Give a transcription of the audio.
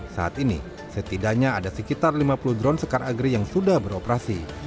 saat ini setidaknya ada sekitar lima puluh drone sekar agri yang sudah beroperasi